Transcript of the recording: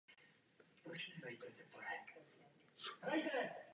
Stane se nedílnou součástí lékařské praxe.